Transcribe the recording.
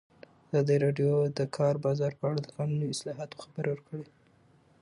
ازادي راډیو د د کار بازار په اړه د قانوني اصلاحاتو خبر ورکړی.